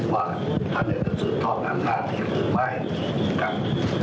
ว่าท่านอยากจะสูดทอดอันด้านอีกหรือไม่นะครับ